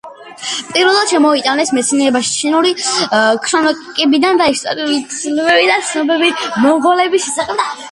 პირველად შემოიტანეს მეცნიერებაში ჩინური ქრონიკებიდან და ისტორიული თხზულებებიდან ცნობები მონღოლების შესახებ.